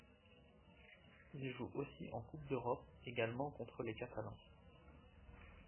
Il joue aussi en Coupe d'Europe, également contre les Catalans.